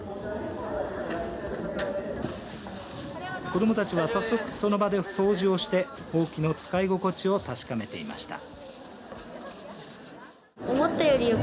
子どもたちは早速その場で掃除をしてほうきの使い心地を確かめていました。